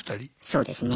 そうですね。